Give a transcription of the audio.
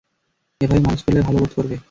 এভাবে মালিশ করলে ভালো বোধ করবে।